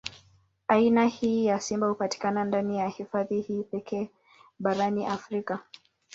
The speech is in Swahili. Aina hii ya simba hupatikana ndani ya hifadhi hii pekee barani Afrika.